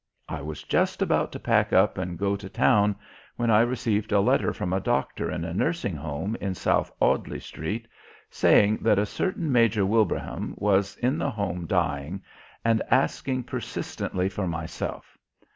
I was just about to pack up and go to town when I received a letter from a doctor in a nursing home in South Audley street saying that a certain Major Wilbraham was in the home dying and asking persistently for myself.